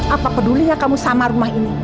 apa pedulinya kamu sama rumah ini